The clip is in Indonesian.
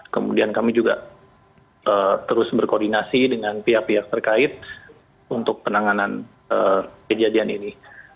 kemudian kami juga terus berkoordinasi dengan pihak pihak terkait untuk penanganan kejadian ini